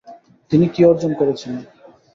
তিনি কি অর্জন করেছেন।